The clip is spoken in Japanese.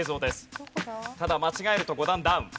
ただ間違えると５段ダウン。